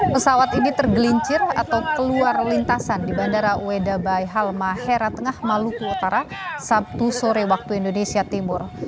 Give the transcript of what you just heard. pesawat ini tergelincir atau keluar lintasan di bandara wedabai halmahera tengah maluku utara sabtu sore waktu indonesia timur